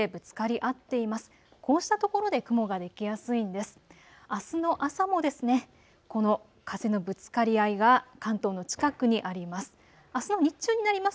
あすの朝もこの風のぶつかり合いが関東の近くにあります。